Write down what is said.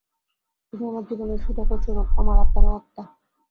তুমি আমার জীবনের সুধাকর-স্বরূপ, আমার আত্মারও আত্মা।